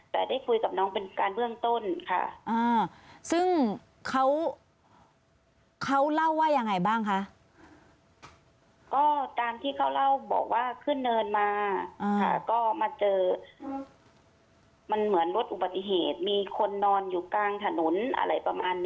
แต่ได้คุยกับน้องเป็นการเบื่องต้นค่ะอ่าซึ่งเขาเขาเล่าว่ายังไงบ้างคะ